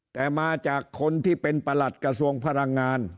แต่มาจากคนที่เป็นประหลัดกระทรวงพลังงาน